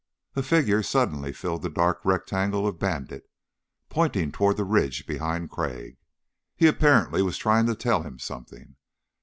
A figure suddenly filled the dark rectangle of Bandit, pointing toward the ridge behind Crag. He apparently was trying to tell him something.